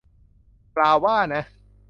เปล่าว่านะ